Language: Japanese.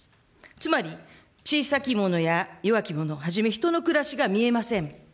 つまり小さき者や弱き者をはじめ、人の暮らしが見えません。